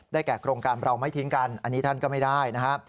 แก่โครงการเราไม่ทิ้งกันอันนี้ท่านก็ไม่ได้นะครับ